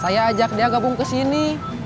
saya ajak dia gabung ke sini